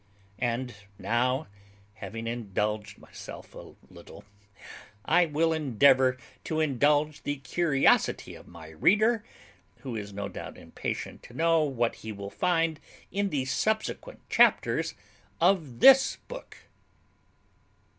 And now, having indulged myself a little, I will endeavour to indulge the curiosity of my reader, who is no doubt impatient to know what he will find in the subsequent chapters of this book.